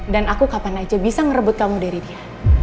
dan aku kapan aja bisa ngerebut kamu dari dia